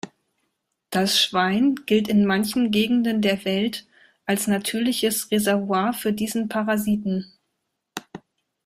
Das Schwein gilt in manchen Gegenden der Welt als natürliches Reservoir für diesen Parasiten.